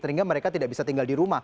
sehingga mereka tidak bisa tinggal di rumah